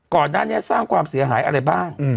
ก่อนหน้านี้สร้างความเสียหายอะไรบ้าง